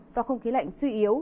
do không khí lạnh suy yếu